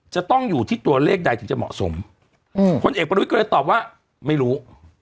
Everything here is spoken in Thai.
จะต้องอยู่ที่ตัวเลขใดถึงจะเหมาะสมพลเอกประวิทย์ก็เลยตอบว่าไม่รู้